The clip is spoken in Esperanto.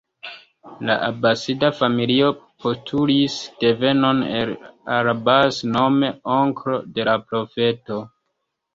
La Abasida familio postulis devenon el al-Abbas, nome onklo de la Profeto.